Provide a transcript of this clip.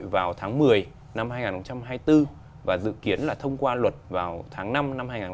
chỉ đưa vào trong cái dự trình quốc hội vào tháng một mươi năm hai nghìn hai mươi bốn và dự kiến là thông qua luật vào tháng năm năm hai nghìn hai mươi năm